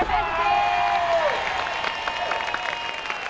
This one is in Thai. เต้นที่